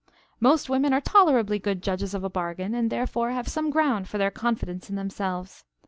Most women are tolerably good judges of a bargain, and therefore have some ground for their confidence in themselves.